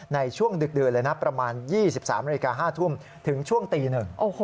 ในช่วงดึกเลยนะประมาณ๒๓น๕ทุ่มถึงช่วงตีหนึ่ง